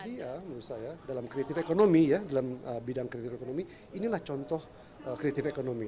iya menurut saya dalam kreatif ekonomi ya dalam bidang kreatif ekonomi inilah contoh kreatif ekonomi